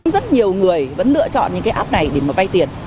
rất nhiều người vẫn lựa chọn những cái app này để mà vay tiền